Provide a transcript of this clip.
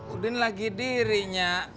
udin lagi diri nyak